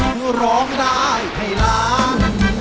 เพราะร้องได้ให้ล้าน